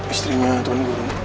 istrinya tuan guru